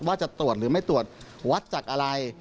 ว่าจะตรวจหรือไม่ตรวจวัดจากอะไร